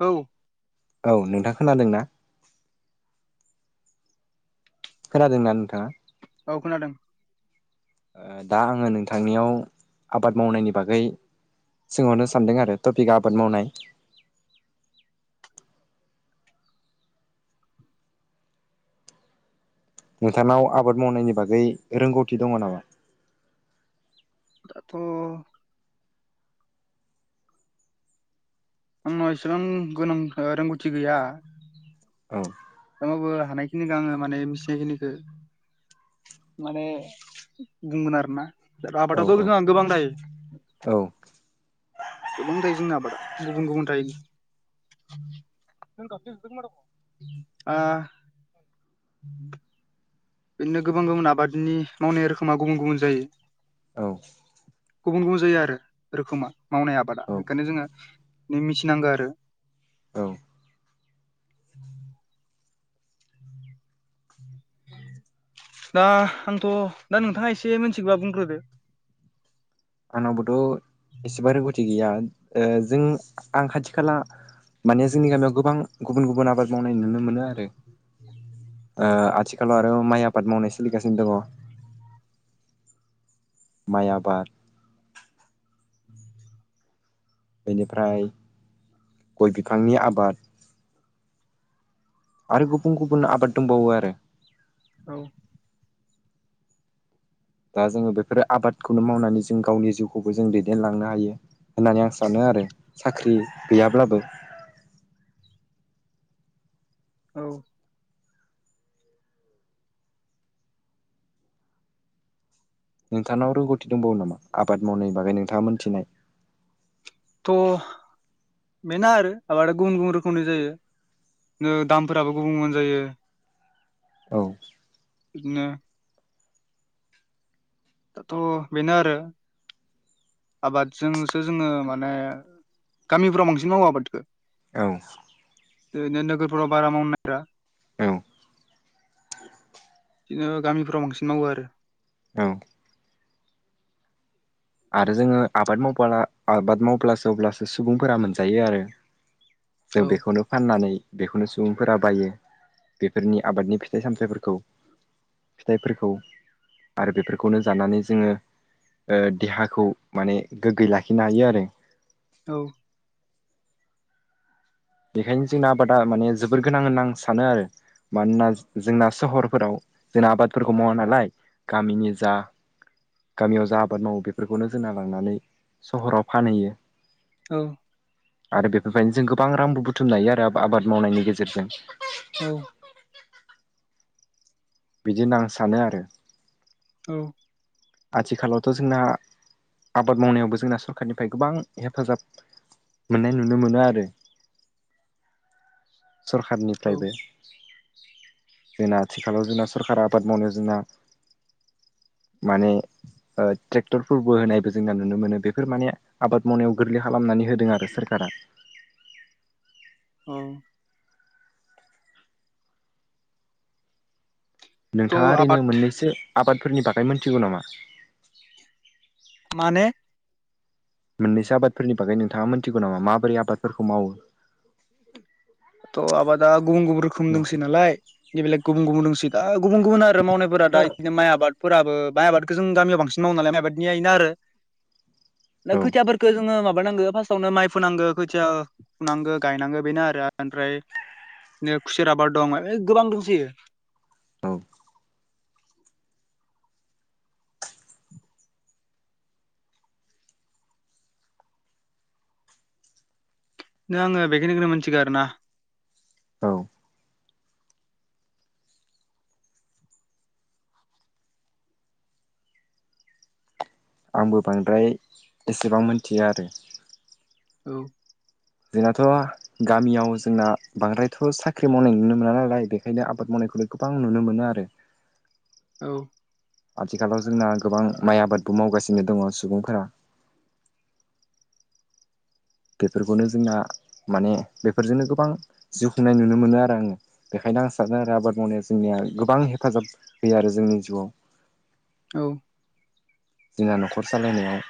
औ औ नोंथां खोनादोंना? खोनादोंना नोंथाङा? औ खोनादों ओ दा आङो नोंथांनियाव आबाद मावनायनि बागै सोंहरनो सानदों आरो टपिकआ आबाद मावनाय नोंथांनाव आबाद मावनायनि बागै रोंगौथि दङ' नामा? दाथ' आंनाव एसेबां गोनां रोंगौथि गैया औ थेवबाबो हानायखिनिखौ आङो माने मिथिनाय खिनिखौ माने बुंगोन आरोना औ आबादाथ' औ जोंना गोबां थायो औ गोबां थायो जोंना आबादा गुबुन गुबुन थायो ओ [inaudible] बिदिनो गोबां गुबुन आबादनि मावनाय रोखोमा गुबुन गुबुन जायो औ गुबुन गुबुन जायो आरो रोखोमा मावनाय आबादा औ ओंखायनो जोङो नों मिथिनांगो आरो औ [inaudible] [inaudible] दा आंथ दा नोंथाङा एसे मिथिगोबा बुंग्रोदो आंनावबोथ एसेबा रोंगौथि गैया जों आं खाथि खाला माने जोंनि गामियाव गोबां गुबुन गुबुन आबाद मावनाय नुनो मोनो आरो ओ आथिखालाव आरो माइ आबाद मावनाय सोलिगासिनो दङ माइ आबाद बेनिफ्राय गय बिफांनि आबाद आरो गुबुन गुबुन आबाद दंबावो आरो औ दा जोङो बेफोरो आबादखौनो मावनानै जों गावनि जिउखौबो जों दैदेनलांनो हायो होननानै आं सानो आरो साख्रि गैयाब्लाबो औ नोंथांनाव रोंगौथि दंबावो नामा आबाद मावनायनि बागै नोंथाङा मोनथिनाय थ बेनो आरो आबादा गुबुन गुबुन रोखोमनि जायो नो दामफोराबो गुबुन गुबुन जायो औ बिदिनो दाथ बेनो आरो आबादजोंसो जोङो माने गामिफ्राव बांसिन मावो आबादखौ औ ओरैनो नोगोरफोराव बारा मावनो नागिरा औ बिदिनो गामिफोराव बांसिन मावो आरो औ आरो जोङो आबाद मावबाला आबाद मावब्लासो अब्लासो सुबुंफोरा मोनजायो आरो जों औ बेखौनो फाननानै बेखौनो सुबुंफोरा बायो बेफोरनि आबादनि फिथाइ सामथाइफोरखौ फिथाइफोरखौ आरो बेफोरखौनो जानानै जोङो ओ देहाखौ माने गोग्गोयै लाखिनो हायो आरो औ बेखायनो जोंना आबादा माने जोबोर गोनां होनना आं सानो आरो मानोना जोंना सहरफोराव जोंना आबादफोरखौ मावा नालाय गामिनि जा गामियाव जा आबाद मावो बेफोरखौनो जोंना लांनानै सहराव फानहैयो औ आरो बेफोरबायदिनो जों गोबां रांबो बुथुमनो हायो आरो आबाद मावनायनि गेजेरजों औ बिदिनो होनना आं सानो आरो औ आथिखालावथ जोंना आबाद मावनायावबो जोंना सरखारनिफ्राय गोबां हेफाजाब मोननाय नुनो मोनो आरो सरखारनिफ्रायबो औ जोंना आथिखालाव जोंना सरकारा आबाद मावनाय जोंना माने ओ ट्रेक्टरफोरबो होनायबो जोंना नुनो मोनो बेफोर माने आबाद मावनायाव गोरलै खालामनानै होदों आरो सोरखारा औ नोंथाङा थ' ओरैनो आबाद मोननैसो आबादफोरनि बागै मोनथिगौ नामा माने मोननैसो आबादफोरनि बागै नोंथांङा मोनथिगौ नामा माबोरै आबादफोरखौ मावो दाथ आबादा गुबुन गुबुन रोखोमनि दोसोयोनालाय बेलेग गुबुन गुबुन लोंहोयो दा गुबुन गुबुन आरो मावनायफोरा दा बिदिनो माइ आबाद फोराबो माइ आबादखौ जों गामियाव बांसिन मावो नालाय माइ आबादनिया इनो आरो औ खोथियाफोर खो जोङो माबानांगो फार्स्टआवनो माइ फुनांगो खोथिया फुनांगो गायनांगो बेनो आरो ओमफ्राय बिदिनो खुसेर आबाद दं गोबां दंसैयो औ नो आङो बेखिनिखौनो मोनथिगौ आरोना औ आंबो बांद्राय एसेबां मोनथिया आरो औ जोंनाथ गामियाव जोंना बांद्रायथ साख्रि मावनाय नुनो मोना नालाय बेखायनो आबाद मावनायखौनो गोबां नुनो मोनो आरो [inaudible] औ आथिखालाव जोंना गोबां माइ आबादबो मावगासिनो दङ सुबुंफोरा बेफोरखौनो जोंना माने बेफोरजोंनो गोबां जिउ खुंनाय नुनो मोनो आरो आङो बेखायनो आं सानो आरो आबाद मावनाया जोंनिया गोबां हेफाजाब होयो आरो जोंनि जिउआव औ जोंना न'खर सालायनायाव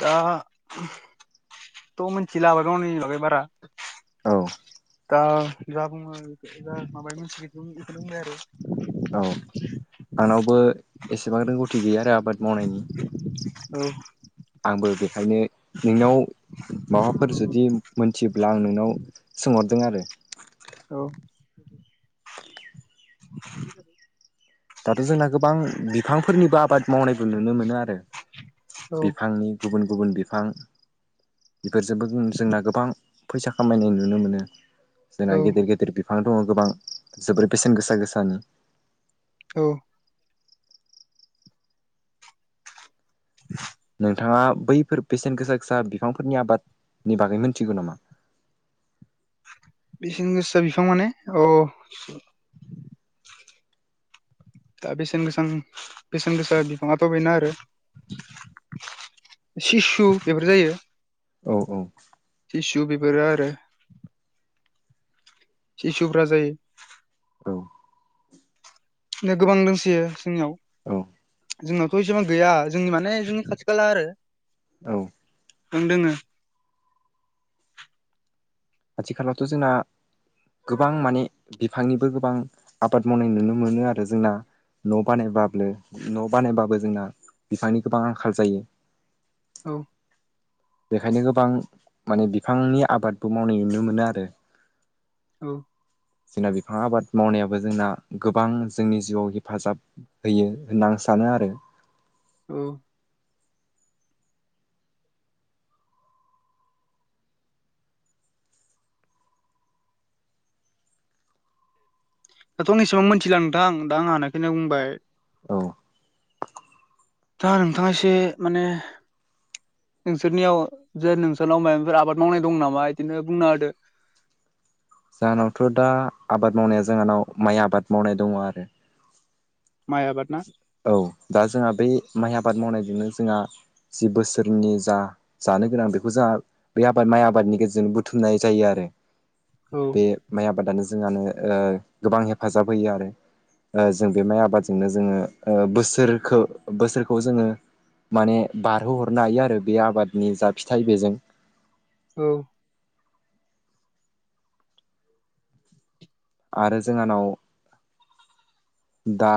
दाथ मोनथिला गावनि माबे बारा औ दा जा बुङो जा माबायो मोनथियो बेखौनो बुंबाय आरो औ आंनावबो एसेबां रोंगौथि गैया आरो आबाद मावनायनि औ आंबो बेखायनो नोंनाव माबाफोर जुदि मोनथियोब्ला आं नोंनाव सोंहरदों आरो औ [inaudible] दाथ जोंना गोबां बिफांफोरनिबो आबाद मावनायखौ नुनो मोनो आरो औ बिफांनि गुबुन गुबुन बिफां बेफोरजोंबो जोंना गोबां फैसा खामायनाय नुनो मोनो जोंना औ गेदेर गेदेर बिफां दङ गोबां जोबोर बेसेन गोसा गोसानि औ [inaudible] नोंथाङा बैफोर बेसेन गोसा गोसा बिफांफोरनि आबादनि बागै मोनथिगौ नामा बेसेन गोसा बिफां माने अ [inaudible] दा बेसेन गोसा बेसेन गोसा बिफाङाथ बेना आरो सिसु बेफोर जायो औ औ सिसु बेफोरो आरो सिसुफोरा जायो औ गोबां दोंसोयो जोंनियाव औ जोंनावथ एसेबां गैया जोंनि माने जोंनि खाथि खाला आरो औ दोंङो आथिखालावथ' जोंना गोबां माने बिफांनिबो गोबां आबाद मावनाय नुनो मोनो आरो जोंना न' बानायबाब न' बानायबाबो जोंना बिफांनि गोबां आंखाल जायो औ बेखायनो गोबां माने बिफांनि आबादबो मावनाय नुनो मोनो आरो औ जोंना बिफां आबाद मावनायाबो जोंना गोबां जोंनि जिउआव हेफाजाब होयो होनना आं सानो आरो औ दाथ' एसेबां मोननथिला नोंथां दा आं हानायखोनो बुंबाय औ दा नोंथाङा एसे माने नोंसोरनियाव जे नोंसोरनाव माबाफोर आबाद मावनाय दं नामा बिदिनो बुंना होदो जाहोनावथ' दा आबाद मावनाया जोंहानाव माइ आबाद मावनाय दङ आरो माय आबाद ना औ दा जोंहा बै माइ आबाद मावनायजोंनो जोंहा जि बोसोरनि जा जानो गोनां बेखौ जा बे आबाद माइ आबादनि गेजेरजों बुथुमनाय जायो आरो औ बे माइ आबादानो जोंहानो गोबां हेफाजाब होयो आरो जों बे माइ आबाद बिनो जोङो बोसोरखौ बोसोरखौ जोङो माने बारहोहरनो हायो आरो बे आबादनि जा फिथाइ बेजों औ आरो जोंहानाव दा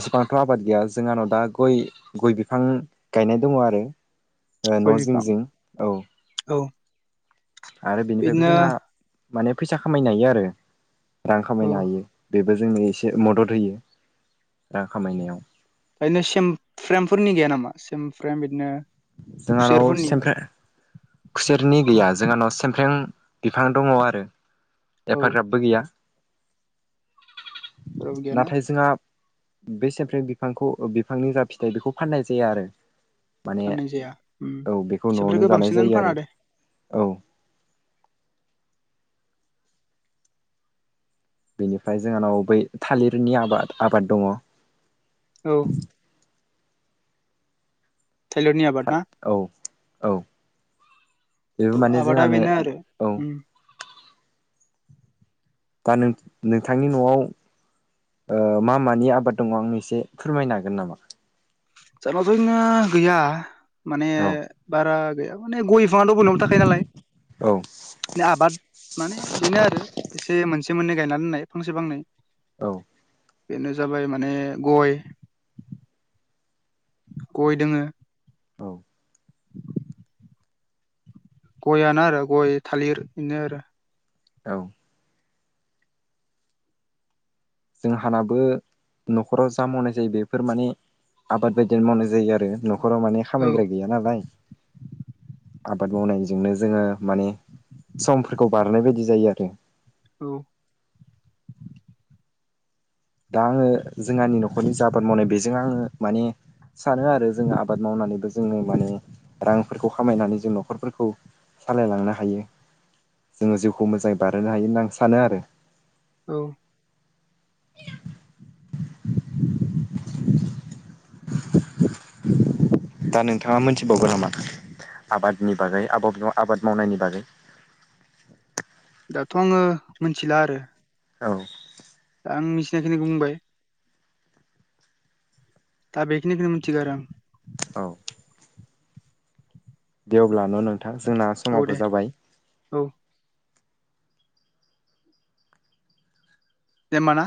एसेबांथ' आबाद गैया जोंहानाव दा गय गय बिफां गायनाय दङ आरो ओ गय न' जिं बिफां जिं औ औ आरो बेनिफ्रायबो बिदिनो जोंहा माने फैसा खामायनो हायो आरो रां औ खामायनो हायो बेबो जोंनो एसे मदद होयो रां खामायनायाव खायनो सेम फ्रेमफोरनि गैया नामा सेम फ्रेम बिदिनो जोंहानाव खुसेरफोरनि सेमफ्रेम खुसेरनि गैया जोंहानाव सेमफ्रेम बिफां दङ आरो औ एफाग्राबबो गैया जेरावबो गैयाना नाथाय जोंहा बे सेमफ्रेम बिफांखौ बिफांनि जा फिथाइ बेखौ फाननाय जाया आरो माने फाननाय जाया उम औ बेखौ न'आवनो सेमफ्रेमखौ जानाय बांसिनानो जायो फाना आरो दे औ बेनिफ्राय जोंहानाव बै थालिरनि आबाद आबाद दङ औ थायल'नि आबाद था ना औ औ बेबो थ' माने आबादा जोंहानो बेनो आरो औ उम दा नों नोंथांनि न'आव ओ मा मानि आबाद दङ आंनो एसे फोरमायनो हागोन नामा जोंहानाव जोंना गैया माने औ बारा गैया माने गय [unintelligible] थाखायो नालाय औ आबाद माने बेनो आरो एसे मोनसे मोननै गायनानै होननाय फांसे फांनै औ बेनो जाबाय माने गय गय दोङो औ गयानो आरो गय थालिर बेनो आरो औ जोंहानाबो न'खराव जा मावनाय जायो बेफोर माने आबाद बायदिनो मावनाय जायो आरो न'खराव माने औ खामायग्रा गैया नालाय आबाद मावनायजोंनो जोङो माने समफोरखौ बारहोनाय बायदि जायो आरो औ दा आङो जोंहानि न'खरनि आबाद मावनाय बेजों आङो माने सानो आरो जोङो आबाद मावनानैबो जोङो माने रांफोरखौ खामायनानै जों न'खरफोरखौ सालायलांनो हायो जोङो जिउखौ मोजाङै बारहोनो हायो होनना आं सानो आरो औ [inaudible] दा नोंथाङा मोनथिबावगोन नामा आबादनि बागै आबाद आबाद मावनायनि बागै दाथ' आङो मिथिला आरो औ दा आं मिथिनायखिनिखो बुंबाय दा बे खिनिखोनो मिथिगो आरो आं औ दे अब्ला न' नोंथां जोंना औ दे समाबो जाबाय औ दे होमबा ना